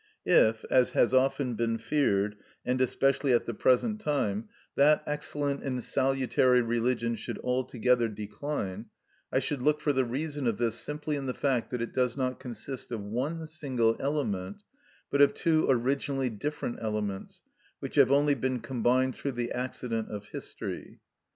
If, as has often been feared, and especially at the present time, that excellent and salutary religion should altogether decline, I should look for the reason of this simply in the fact that it does not consist of one single element, but of two originally different elements, which have only been combined through the accident of history.